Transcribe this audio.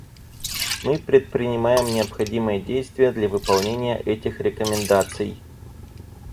Мы предпринимаем необходимые действия для выполнения этих рекомендаций.